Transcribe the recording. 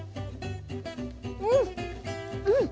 うん！